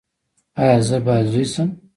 ایا زه باید زوی شم؟